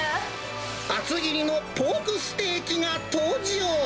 厚切りのポークステーキが登場。